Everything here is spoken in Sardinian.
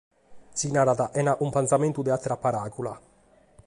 Si narat sena acumpangiamentu de àtera paràula.